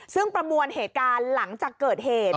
ซึ่งประมวลเหตุการณ์หลังจากเกิดเหตุ